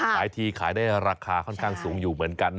ขายทีขายได้ราคาค่อนข้างสูงอยู่เหมือนกัน